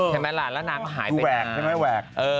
แถมละหายไปดูแวก